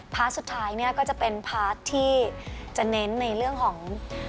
สุดท้ายเนี่ยก็จะเป็นพาร์ทที่จะเน้นในเรื่องของ